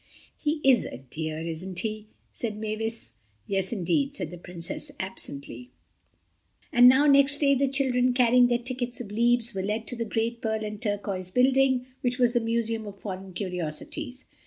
"He is a dear, isn't he?" said Mavis. "Yes, indeed," said the Princess absently. And now next day the children, carrying their tickets of leaves, were led to the great pearl and turquoise building, which was the Museum of Foreign Curiosities.